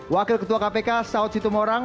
wakil ketua kpk saud situ morang